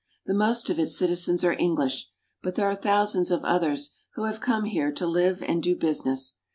The most of its citizens are English, but there are thousands of others who have come here to live and do business.